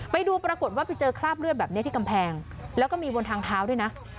ไปดูปรากฏว่าไปเจอคราบเลือดแบบนี้ที่กำแพงแล้วก็มีบนทางเท้าด้วยนะ